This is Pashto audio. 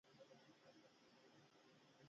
ددې هڅو موخه دا ده چې